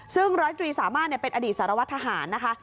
ซึ่งร้อยตรีสามารถเป็นอดีตสารวัตรทหารนะคะ